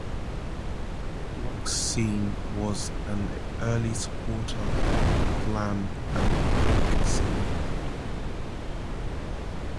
"Rock Scene" was an early supporter of glam and the punk scene.